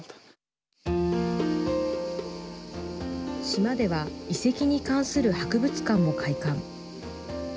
島では遺跡に関する博物館も開館。